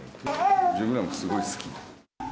自分らもすごい好き。